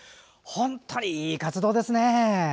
本当にいい活動ですね。